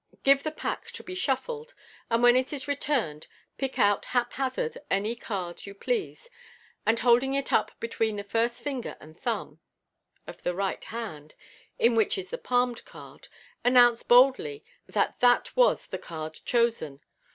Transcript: Give the pack to be shuffled, and when it is returned pick out haphazard any card you please, and holding it up between the first finger and thumb of the right hand (in which is the palmed card), announce boldly that that was the card chosen.